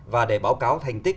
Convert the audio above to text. và để báo cáo thành tích